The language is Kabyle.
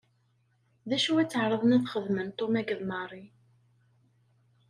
D acu i tteɛṛaḍen ad xedmen Tom akked Mary?